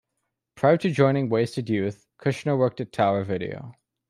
Prior to joining Wasted Youth, Kushner worked at Tower Video.